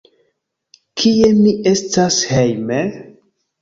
Kie mi estas hejme?